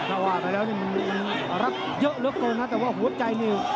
ถ้าว่าไปแล้วนี่มันรักเยอะเหลือเกินนะแต่ว่าหัวใจนี่